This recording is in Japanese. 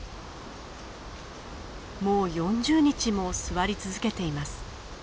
もう４０日も座り続けています。